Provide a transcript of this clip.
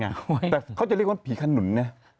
แต่เขาจะเรียกว่าผีขนุนนะ